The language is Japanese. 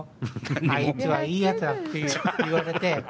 あいつはいいやつだって言われて。